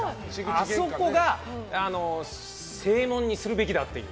あそこが、正門にするべきだって。